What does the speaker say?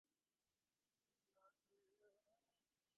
এটা সম্ভবত কোনো প্রাকৃতিক কার্সের কাজ।